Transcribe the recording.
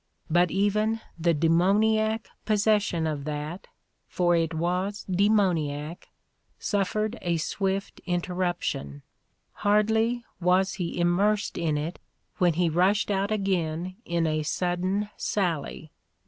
But even the demoniac pos session of that, for it was demoniac, suffered a swift interruption. Hardly was he immersed in it when he rushed out again in a sudden sally.